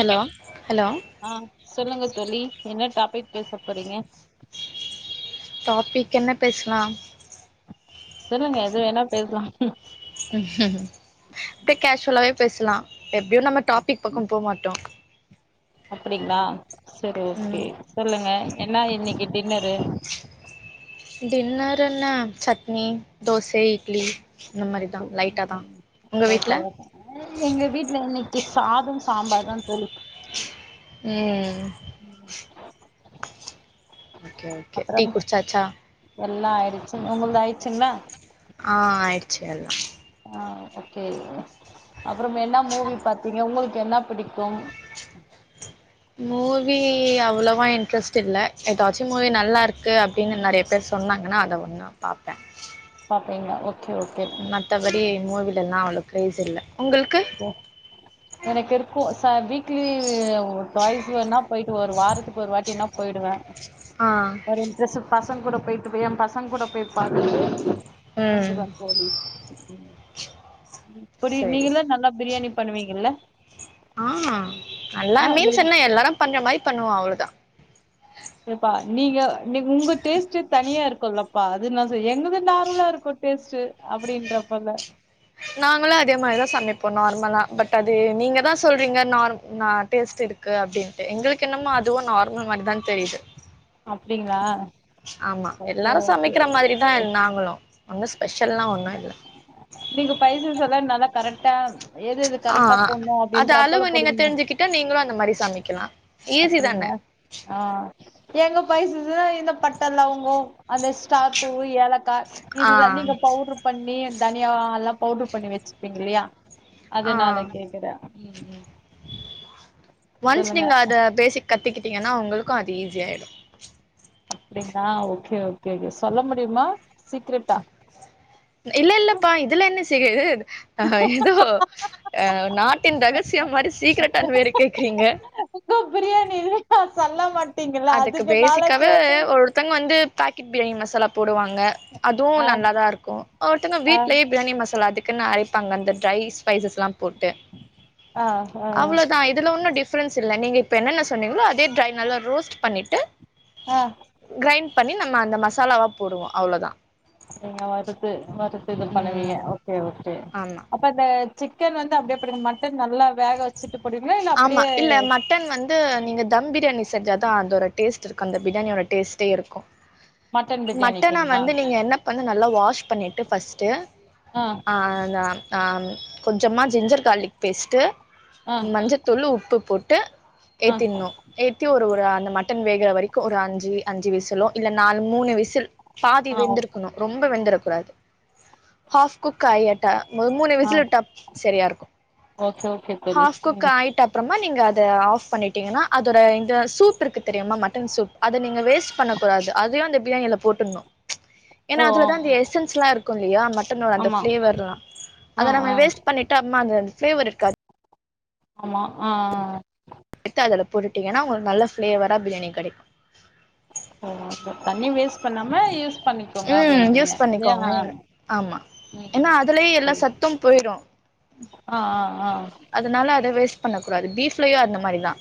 Hello hello ஆ சொல்லுங்க தோழி என்ன டாபிக் பேச போறீங்க டாபிக் என்ன பேசலா சொல்லுங்க எது வேணா பேசலா மஇப்ப கேஷுவலாவே பேசலா எப்பயும் நம்ம டாபிக் பக்கம் போ மாட்டோ அப்டிங்களா சரி ஓகே ம் சொல்லுங்க என்ன இன்னைக்கு டின்னரு டின்னர்ருன சட்னி தோசை இட்லி இந்த மாதிரி தான் லைட்டா தா உங்க வீட்ல எங்க வீட்டுல இன்னைக்கு சாதம் சாம்பார் தா தோழி உம் ஓகே ஓகே டீ குடுசாச்சா எல்லாம் ஆயிடுச்சு உங்கள்து ஆயிடுச்சுங்களா ஆ ஆய்டுச்சு எல்லாம் ஆ ஓகே அப்புறம் என்ன மூவி பாத்தீங்க உங்களுக்கு என்ன பிடிக்கும் மூவி அவ்ளோவா இன்ட்ரெஸ்ட் இல்ல ஏதாச்சும் மூவி நல்லா இருக்கு அப்டின்னு நெறைய பேர் சொன்னாங்கன்னா அத ஒன்னும் பாப்பே பாப்பீங்களா ஓகே ஓகே மத்தபடி மூவிலலா அவ்வளோ க்ரைஸ் இல்ல உங்கள்க்கு க எனக்கு இருக்கும் ச வீக்லி ஓ டாய்ஸ் வேனா போயிட்டு ஒரு வாரத்துக்கு ஒரு வாட்டி வேனா போயிடுவேன் ஆ ட்ரெஸீ பசங்க கூட போயிட்டு பெய்ன் என் பசங்க கூட பெய் பாத்துட்டு ம் வந்துருவ தோழி புரி சரி நீங்கல்லாம் நல்லா பிரியாணி பண்ணுவீங்கல்ல ஆ நல்லா ஆ மீன்ஸ் உங்களுக்கு என்ன எல்லாரும் பண்ற மாதிரி பண்ணுவோம் அவ்ளவுதான் சப்பா நீங்க நீ உங்க டேஸ்ட் தனியா இருக்கும்ல அப்ப அதுன எங்கது நார்மலா இருக்கும் டேஸ்ட் அப்டின்றப்பல நாங்களும் அதே மாரிதான் சமைப்போம் நார்மலா பட் அது நீங்க தான் சொல்றீங்க நார் நா டேஸ்ட் இருக் க்கு அப்டின்ட்டு எங்களுக்கு என்னமோ அதுவும் நார்மல் மாரிதான் தெரியுது அப்டிங்ளா ஆமா எல்லாரும் சமைக்கிற மாரிதான் நாங்களும் ஒண்ணும் ஸ்பெஷல்லாம் ஒண்ணும் இல்ல நீங்க பைசஸ் எல்லா நல்ல கரெக்டா எது எது ஆ கரெக்டா போடணும் அப்டின்ற அப்ல போடுவீங்க வந்ட்டு நீங்களும் அந்த மாரி சமைக்கலாம் அப்டிங்ளா ஆ எங்க பைஸஸ்ன்னா இந்த பட்ட, லவங்கொ, அந்த ஸ்டா பூ ஏலக்காய் ஆ இதுதா நீங்க பவுட்ரு பண்ணி தனியா எல்லாம் பவுட்ரு பண்ணி வச்சுப்பீங்கல்லையா அதே ஆ நாள கேக்குற உம் ஒன்ஸ் சொல்லுங்க நீங்க அத பேசிக் கத்திக்கிட்டீங்ன்னா உங்களுக்கும் அது ஈஸி ஆயிடும் அப்டினா ஓகே ஓகே கே சொல்ல முடியுமா சீக்ரெட்டா இல்ல இல்லப்பா இதுல என்ன சிகது அ எதோ அ நாட்டின் ரகசியம் மாரி சீக்கிரெட்டான் வேறு கேக்குறீங்க உங்க பிரியாணி இலக்கா சொல்ல மாட்டீங்கள அதுக்குனால கேட்டே த்தொங்க வந்து பாக்கெட் பிரியாணி மசாலா போடுவாங்க அதுவு ஆ நல்லாதா இருக்கு ஒவ்வொர்த்தோங்க ஆ வீட்லே பிரியாணி மசாலா அது க்குனு அரைப்பாங்க அந்த ட்ரை ஸ்பைசஸ்லா போட்டு ஆ ஆ அவ்ளதா இதுல ஒன்னு டி ஃப்ரென்ஸ் இல்ல நீங்க இப்ப என்னென்ன சொன்னீங்ளோ அதே ட்ரை நல்ல ரோஸ்ட் பண்ணிட்டு ஆ க்ரைன் பண்ணி நம்ம அந்த மசாலாவ போடுவோ அவ்ளதா நீங்க வறுத்து வறுத்து இத ம் பண்ணுவீங்கஓகே ஓகே ஆமா இப்பந்த சிக்கன் வந்து அப்டே போடுவிங்க மட்டன் நல்லா வேக வ ச்சுட்டு போடுவிங்ளா ஆமா இல்ல ம ட்டன் வந்து நீங்க தம் பிரியாணி செஞ்சா தா அதோட டேஸ்ட்ருக்கு அந்த பிரியாணியோட டேஸ்ட்டே இருக்கு மட்டன் மட்டன பிரியாணிக்குங்களா வந்து நீங்க என்ன பண்ணு நல்லா வாஷ் பண்ணிட்டு ஃபஸ்ட்டு ஆ ஆனாம் ஆம் கொஞ்சமா ஜிஞ்சர் கார்லிக் பேஸ்ட்டு ஆ மஞ்சத்தூளு உப்பு போட்டு ஆ ஏத்திற்னு ஏ த்தி ஒரு ஒரு அந்த மட்டன் வேகுற வரைக்கு ஒரு அஞ்சு அஞ்சு விசிலோ இல்ல நாலு மூனு விசில் பாதி ஆ ஓ- வெந்திருக்னு ரொம்ப வெந்துரக் கூடாது ஹாஃப் குக் ஆயட்டா மொத மூனு ஆ விசில் விட்டா சரியாருக்கு ஓகே ஓகே தோழி ஹாஃப் குக்கா ம் ய்ட்ட அப்றமா நீங்க அத ஆஃப் பண்ணிட்டீங்கன்னா அதோட இந்த சூப் இருக்கு தெரிமா மட்டன் சூப் அத நீங்க வேஸ்ட் பண்ணக்கூடாது அதையு அந்த பிரியாணில போட்டுற்னு ஏனா ஓ ஓ அதுலதா அந்த எஸ்ஸன்ஸ்லாரு க்குல்லயா மட்டனோட அந்த ஆமா ஃபிளேவர்லா ஆ அத நம்ம ஆ வேஸ்ட் பண்ணிட்டாமா அந்த ஃபிளேவருக்காது ஆமா ஆ ஆ எத்து அதுல போட்டுட்டீங்கனா உங்களுக்கு நல்ல ஃப்ளேவரா பிரியாணி கெடைக்கு [inaudible] தண்ணி வேஸ்ட் பண்ணாம யூஸ் பண்ணிக்கோங்க ம் அப்டின்றீங்க யூஸ் இல்லையா பண்ணிக்கோங்கங்றே ஆமா ஏனா ம் அதுலே எல்லா சரி. சத்து போய்ரு ஆ ஆ ஆ அதுனால அத வேஸ்ட் பண்ண கூடாது பீஃப்லயு அந்த மாரிதா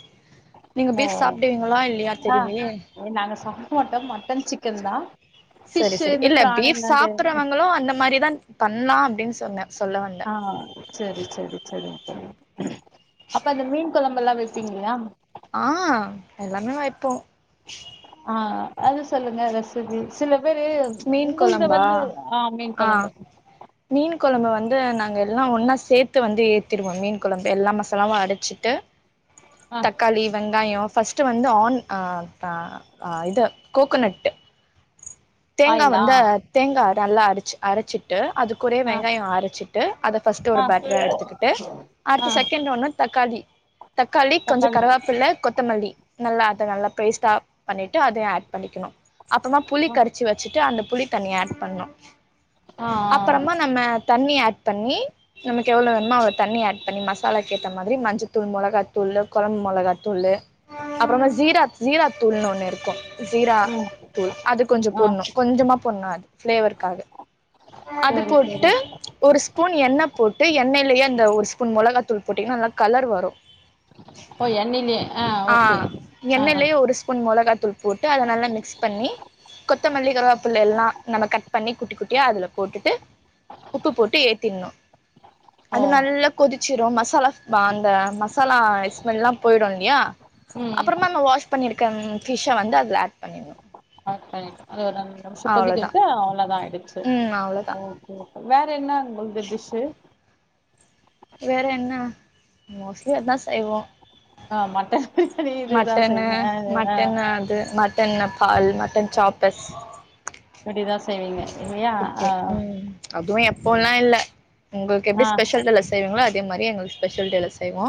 நீங்க ஓ பீஃப் சாப்டுவீங்ளா இல்லயா ஆ தெரிலயே ஏ நாங்க சாப்ட மாட்டோ மட்டன் சிக்கன் தா செரி ஃபிஷ்ஷு செரி இந்த இல்ல பிரான் பீஃப் இந்த சாப்புறவங்களு அந்த மாரிதா பண்லா அப்டின் சொன்னே சொல்ல வந்தே ஆ சேரி சேரி சேரிங் தோழி அப்ப அந்த மீன் கொழம்புல்லா வெப்பீங்களா ஆ எல்லாமே வைப்போ ஆ அது சொல்லுங்க ரெசிபி சில பேரு மீன் உங்கள்த கொழம்பா வந்து ஆ மீன் கொழம்பு மீன் கொழம்ப வந்து நாங்க எல்லா ஒன்னா சேத்து வந்து ஏத்திருவோ மீன் கொழம்பு எல்லா மசாலாவு அரச்சிட்டு ஆ தக்காளி வெங்காயோ ஃபஸ் ட்டு வந்து ஆன் ஆ ஆ ஆ இது கோகனெட்டு தேங்கா ஆயிலா வந்து தேங்கா நல்லா அடிச்சு அரச்சிட்டு அது கூடயே ஆ வெங்காயோ அரச்சிட்டு அத ஃபஸ்ட்டு ஆ ஒரு பேட்ரா எடுத்துக்கிட்டு ஆ அடுத்து செகண்ட் ஒண்ணு தக்காளி தக்காளி கொஞ்சோ கருவாப்பில்ல கொத் த்தமல்லி நல்லா அத நல்லா பேஸ்ட்டா பண்ணிட்டு அதையு ஆட் பண்ணிக்கனு அப்றமா புளி ஆ கர வச்சுட்டு அந்த புளி தண்ணிய ஆட் பண்ணு ஆ ஆ அப்பறமா நம்ம தண்ணிய ஆட் பண்ணி நமக்கு எவ்ளோ வேணுமோ அவ்ளோ தண்ணி ஆ பண்ணி மசாலாக்கேத்த மாதிரி மஞ்சத்தூள் மொளகா தூள்ளு கொழம்பு மொளகா தூள்ளு அப்புறமா ஜீரா ஜீரா தூள்ளுன்னு ஒண்ணூ இருக்கோ ஜீரா ம் தூள் அது கொஞ்சோ ஆ போட்னோ கொஞ்சமா போட்னோ அத் பளேவர்காக அது சரி போட்டு சரி ஒரு ஸ்பூ பூன் எண்ணெ போட்டு எண்ணெய்லயே அந்த ஒரு ஸ்பூன் மொளகாத்தூள் போட்டீங்கனா நல்லா கலர் வரூ ஓ எண்ணெய்லயே ஆ ஓகே ஆ எண்ணெய்லயே ஒரு ஸ்பூன் மொளகா தூள் போட்டு அத நல்லா மிக்ஸ் பண்ணி கொத்தமல்லி கருவோப்புல எல்லா நம்ம கட் பண்ணி குட்டி குட்டியா அதுல போட்டுட்டு உப்பு போட்டு ஏத்திட்ணூ ஓ அது நல்லா கொதிச்சிடும் மசாலா இப்ப அந்த மசாலா ஸ்மெல்லா போயிடூ இல்லயா ம் ம் அப்புறமா நம்ம வாஷ் பண்ணிருக்கம் ஃபிஷ்ஷ வந்து அதுல ஆட் பண்ணிட்னோ ஆ அது ரெண்டு நிமிஷோ அவ்ளோதா கொதிக்கவிட்டு அவ்ளோதா ஆயிடுச்சு ம் அவ்ளோதா ம் வேற என்னா உங்குள்து டிஷ்ஷூ வேற என்னா மோஸ்ட்லி அதா செய்வோ ஆ மட்டோ மட்டன்னு மட்டன் அது மட்டன்ல பால் மட்டன் சாப்பஸ் இப்டிதா செய்வீங்க இல்லையா ஓகே ஆ ம் அதுவூ எப்போவ்ல்லா இல்ல உங்களுக்கு எப்டி ஆ ஸ்பெஷல் டேலெ செய்வீங்ளோ அதே மாரி எங்களுக் ஸ்பெஷல் டேவ்ல செய்வோ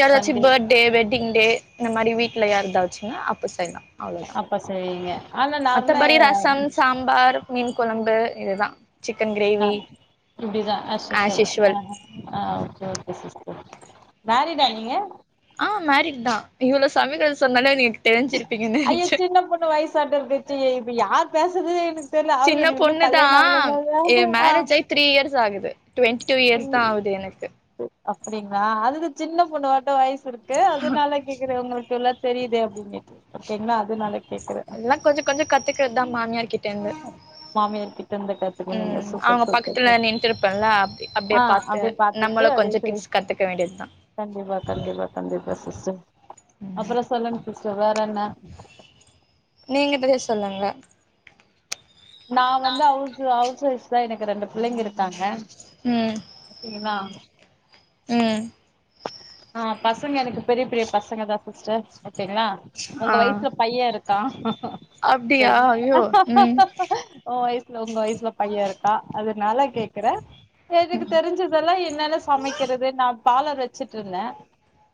யாராச்சு Sunday birthday wedding day இந்த மாரி வீட்ல யார்தாச்சுன்னா அப்ப செய்லா அப்ப செய்வீங்க ஆனா நார்மலா ஏ ரசம் சாம்பார் மீன் கொழம்பு இதுதா சிக்கன் ஆ கிரேவி இப்டிதா ஆஸ் ஆஸ்யூஷ்வல் தா யூஷ்வல் ஆ ஆ செரிங்க சிஸ்டர் மேரிடா நீங்க ஆ மேரிட் தா இவ்ளோ சமைக்கறது சொன்னோ இல்ல நீங்க தெரிஞ்சிருப்பீங்கன்னு ஐயோ நெனச்சோ சின்ன பொண்ணு வாய்ஸ் சட்டர் பேச்சி இப்ப யார் பேசுறது எனக்கு தெரில அவ சின்ன என்ன இன்னூ பொண்ணுதா கல்யாணோ ஆவலன் ஏ சொல்றா மேரேஜ் ஆயி த்ரீ இயர்ஸ் ஆகுது டுவெண்ட்டி டூ இயர்ஸ் தா ஆவுது எனக்கு அப்டிங்ளா அதுக்கு சின்ன பொண்ணாட்டோ வாய்சுருக்கு அதனால கேக்குற ஒங்களுக்குல்லா தெரியுது அப்டின்னுட்டு ஓகேங்ளா அதனால கேக்குறே எல்லா கொஞ்சொ கொஞ்சொ கத்துக்கறது தா மாமியார் கிட்டேர்ந்து மாமியார் கிட்ட இருந்து கத்துக்குனீங்க ம் சூப்பர் அவுங்க சூப்பர் பக்கத்துல சூப் நின்ட்ர்ப்பல்ல அப்டி அப்டியே ஆ பாத்து அப்டியே பாத்துட்டு நம்மளூ அப்டியே கொஞ்சொ செய் டிப்ஸ் கத்துக்க வேண்டித்தா கண்டிப்பா கண்டிப்பா கண்டிப்பா சிஸ்டர் ம் அப்றொ சொல்லுங்க சிஸ்டர் வேறென்ன நீங்க கொஞ்சொ சொல்லுங்க நா வந்து அவுஸ்சு அவுஸ் ஒய்ஃப் தா எனக்கு ரெண்டு புள்ளைங்க இருக்காங்க ம் ஏன்னா ம் ஆ பசங்க எனக்கு பெரிய பெரிய பசங்க தா சிஸ்டர் ஓகேங்ளா உங்க ஆ வய்ஸ் பையே இருக்கா இப்ப அப்டியா இல்ல ஐயோ ம் ஒ வயசுல ஒங்க வயசுல பையே இருக்கா அதனால கேக்குறே எனக்கு ம் தெரிஞ்சி இப்பல்லா என்னால்ல சமைக்கிறது நா பாலர் வச்சுட்டுருந்தே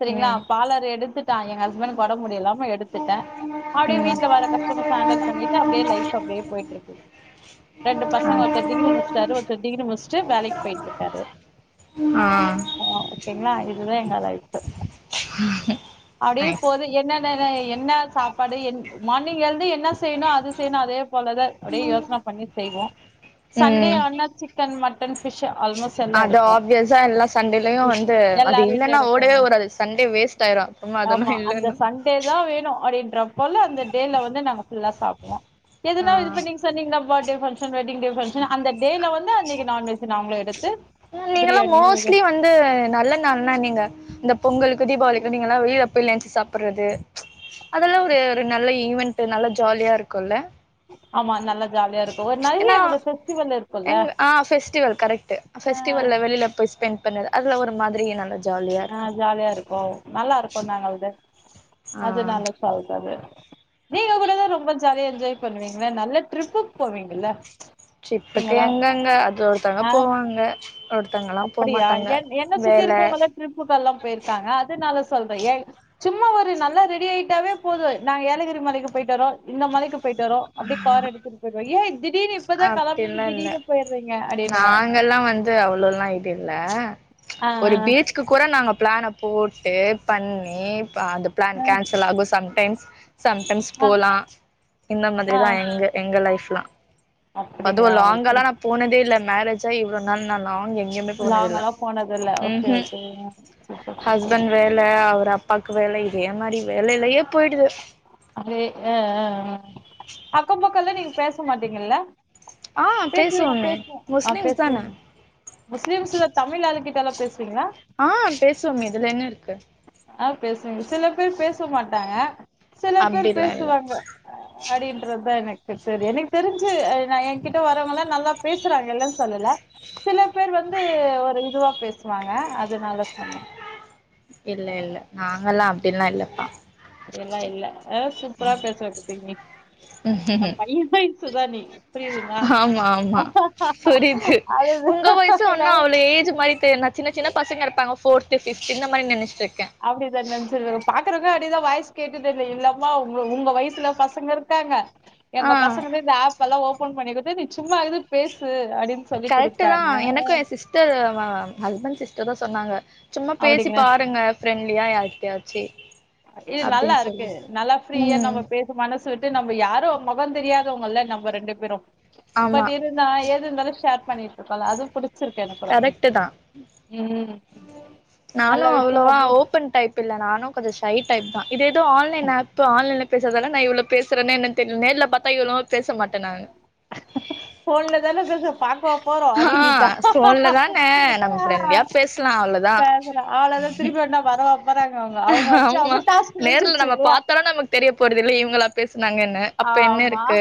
சரிங்ளா ம் பாலர் எடுத்துட் தா ஏ ஹஸ்பண்ட் ஒடம் முடியலாம எடுத்துட்டே அப்டியே வீட்ல வர கஸ்டமர்ஸ் ஹேண்டல் பண்ணிட்டு அப்டியே லைஃப் அப்டியே போயிட்டுருக்கு ரெண்டு பசங்க ஒருத்தர் டிகிரி முடிச்ட்டாரு ஒருத்தர் டிகிரி முடிச்ட்டு வேலைக் போய்ட்டுர்க்காரு ஆ அ ஓகேங்ளா இதுதா எங்க லைஃபு அப்டியே நைஸ் போது என்னன்ன என்ன சாப்பாடு என் மார்னிங் எழுந்து என்ன செய்ணு அது செய்னு அதே போலதா அப்டியே யோசன பண்ணி செய்வோ சண்டே ம் ஆனா சிக்கன் மட்டன் பிஷ் ஆல்மோஸ்ட் எல்லா அது எடுப்போ ஆப்வியஸா எல்லா சண்டேலயு வந்து அது எல்லார் வீட்லயு இல்லனா எடுப்பாங்க ஓடவே ஓடாது சண்டே வேஸ்ட் ஆயிரு அப்றொ அதெல்லா ஆமா அந்த இல்லன்னா சண்டே தா வேணு அப்டின்றபோல அந்த டேல வந்து நாங்க ஃபுல்லா சாப்டுவோ ஆ சொன்னிங்னா பர்த்டேஃபங்சன் வெட்டிங் ஃபங்சன் அந்த டேல வந்தா அன்னிக்கு நான்வெஜ் நாங்களே எடுத்து பிரியாணியோ எதோ இது நல்ல நாள்னா நீங்க இந்த பொங்கலுக்கு தீபாவளிக்கு நீங்களா வெளில போயி லஞ்ச் சாப்றது அதெல்லா ஒரு ஒரு நல்ல ஈவென்ட் நல்ல ஜாலியா இருக்குல்ல ஆமா நல்லா ஜாலியாருக்கு ஒரு நெறைய ஏன்னா நம்ம ஃபெஸ்டிவல்லு எங் ஆ ஃபெஸ்டிவல் கரெக்ட் ஃபெஸ்டிவல்ல வெளில போய் ஸ்பெண்ட் பண்ணது அதுல ஒரு மாரி நல்லது ஆ ஜாலியா இருக்கு நல்லாருக்கு நாங்களது ஆ அதுனால சொல்றது நீங்க கூடதா ரொம்ப ஜாலியா என்ஜாய் பண்ணுவீங்ல நல்ல ட்ரிப்பு போவீங்ல்ல ட்ரிப்புக்கு எங்கங்க அது ஒருத்தங்க போவாங்க ஒருதங்கலா போ மாட்டாங்க வேல ட்ரிப்புகல்லா போயிருக்காங்க அதனால சொல்றே ஏ சும்மா ஒரு நல்லா ரெடி ஆயிட்டாவே போது நாங்க ஏலகிரி மலைக்கு போயிட்டு வரோ இந்த மலைக்கு போயிட்டு வரோ அப்டியே கார் எடுத்துட்டு போயிடுவா ஏன் திடீர்னு இப்பதான் கலம்பிங்க திடீர்னு போயிடுறீங்க அப்படின்னுவ இங்க எல்லா வந்து அவ்ளோல்லா இதுல்ல ஆ ஒரு பீச் சுகு கூட நாங்க பிளான போட்டு பண்ணி அந்த பிளான் கேன்சல் ஆகு சம்டைம்ஸ் சம்டைம்ஸ் ஆ போலா இந்த மாதிரி ஆ தான் எங் எங்க லைஃப்லா அதுவு அப்டிங்களா ஓகே லாங்கால்லா நா போனதே இல்ல மேரேஜாயி இவ்ளோ நாள் நா லாங் எங்குமே போ லாங்கல்லா போனத இல்ல ஓகே ஓ செரி ஹஸ்பண்ட் வேல அவர் அப்பாக்கு வேல இதே மாரி வேலையிலயே போயிடுது அப்டியே அ அ அ அக்கம் பக்கம்லா நீங்க பேச மாட்டீங்கல்ல ஆ பேசுவீங்க பேசுவோமே பேசுவன் ஆ முஸ்லிம்ஸ் தான பேசுவீங் முஸ்லிம்ஸ்ல தமிழ் அளுங்கிட்டெல்லா பேசுவீங்ளா ஆ பேசுவோக இதுல என்ன இருக்கு ஆ பேசுவங்க சில பேர் பேச மாட்டாங்க சில பேர் அப்டிலா இல்ல பேசுவாங்க அப்டின்றது தா எனக்கு தெரியும் எனக்கு தெரிஞ்சு என்கிட்ட வரவங்களா நல்லா பேசுறாங்க இல்லன்னு சொல்லல சில பேர் வந்து ஒரு இதுவா பேசுவாங்க அதனால சொன்னே இல்ல இல்ல நாங்கல்லா அப்படில்லா இல்லப்பா இதெல்லா இல்ல அதா சூப்பரா [unintelligible] ம்ஹும் என் பைய பை சுதானி ஆமா ஆமா புரிது உங்க வயசு அதுதா ஒன்னா அவ்ளோ ஏஜ் மாரி தெர்னா சின்ன சின்ன பசங்க இருப்பாங்க போர்த்து பிப்து இந்த மாரி நினச்சிட்டு இருக்கே அப்டிதா நெஞ்சிருக்குற பாக்குறவங்க அப்டிதா வயசு கேட்டுட்டு இல்லை இல்லாமா உங் உங்க வயசுல பசங்க இருக்காங்க ஆ எங்க பசங்கதா இந்த ஆப் எல்லா ஓபன் பண்ணி குடுத்து நீ சும்மா இது பேசு அப்படின்னு சொல்லி கரெக்டு தா குடுத்தாங்க எனக்கும் எ சிஸ்ட திர் வந்தாங்ளா ஹஸ்பண்ட் சிஸ்டர் தான் சொன்னாங்க சும்மா பேசி அப்படிங்க பாருங்க ஃப்ரெண்ட்லியா யார்கிட்டயாச்சி இது நல்லா இருக்கு நல்லா ஃப்ரீயா நம்ம ம் பே மனசு விட்டு நம்ம யாரோ மொகோ தெரியாதவ்ங்கல்ல நம்ம ரெண்டு பேரு ஆமா பட் இரு நா ஏது இர்ந்தாலு ஷேர் பண்ணிட்ருக்கோல்ல அது புடி ச்சிருக்கு எனக்கு தா ம் நல்ல விஷ்யமா பேசு பில்ல நானு கொஞ்ச ஷை டைப் தா இது எதோ ஆன்லைன் ஆப்பு ஆன்லைன்ல பேசற்தெல்லா நா இவளோ பேசறனே என்னன் தெர்ல் நேர்ல பாத்தா இவளோ பேச மாட்டே நானு ஃபோன்ல தான பேசறோ பாக்கவா போறோ ஆ அப்டினுட்டா ஃபோன்ல தாங்க நம்ம ஃப்ரெண்ட்லியா பேஸ்லா அவ்ள தா அவ்ள தா திருப்பி வேணா வரவா போறாங்க அவுங்க அவுங்க ஆச்சு ஆமா அவுங்க டாஸ்க்கு நேர்ல முஞ்சிர்ச்சு நம்ம இல்லயா பாத்தாலு நமக்கு தெரிய போறதில்ல இவுங்களா பேஸ்னாங்கன்னு அப்ப என்ன ஆமா இருக்கு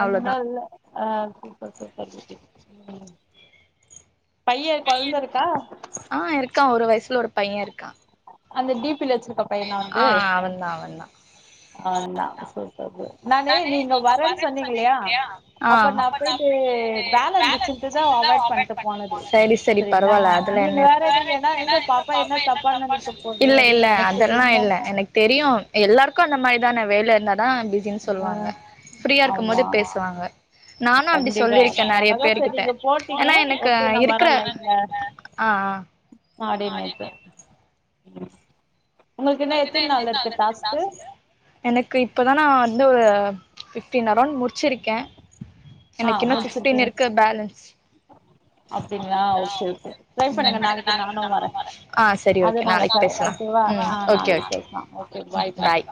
ஒன்னு அவ்ளோதா இல்ல ஆ சூப்பர் சூப்பர் [unintelligible] ம் பைய கொழ்ந்த இருக்கா ஆ இருக்கா ஒரு வய்சுல ஒரு பைய இருக்கா அந்த டி பி ல வெச்சிருக்க பையனா உன்து ஆ அவன்தா அவன்தா அவந்தா சேரி [inaudible] நானு நீங்க வரேன் சொன்னீங்கில்லயா அப்ப நா போய்ட்டு வேல இர்ந்துச்சின்ட்டுதா அவாய்ட் பண்ட்டு போனது சரி சரி செரிங்ளா பரவால்ல அதுல நீங்க என்ன வேற இருக்கு நீங்க என்ன இந்த பாப்பா என்ன தப்பா நெனைக்க போது இல்ல இல்ல அப்டின்னு நெனைச்சிட்டு அதெல்லா இருந்தே இல்ல எனக் தெரியு எல்லாருக்கு அந்த மாரிதான வேல இருந்தாதா பிசின் ஆ சொல்வாங்க ஃப்ரீயா இருக்கம் போது ஆமா பேசுவாங்க நானு அப்டி கண்டிப்பா சொல்லிருக்கே நெறைய அதனாலதா பேரு சரி கிட்ட நீங்க போட்டீங்க ஏனா எனக்கு ஓகே நா இருக்கற ஆ ஆ அப்டியே நேத்து ம் உங்கள்க் இன்னு எத்தின் நாள் இருக்கு டாஸ்க்கு எனக்கு இப்போ தா நா வந்து ஒரு ஃபிஃப்டீன் அரௌண்ட் முடிச்சிருக்கே ஆ எனக்கு இன்னு ஃபிஃப்டீன் முடிச்சிருக்கீங்க இருக்கு பேலன்ஸ் அப்டிங்களா ஓகே ஓகே ட்ரை பண்ணுங்க ம் நாளைக்கு நானு வரே ஆ செரி ஓகே அதனால நாளைக் சரி பேஸ்லா ஓகேவா ம் ஆ ஓகே நாளைக்கு ஓகே பேசலா ஓகே ம் பாய்ப்பா பாய்